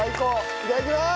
いただきます！